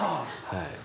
はい。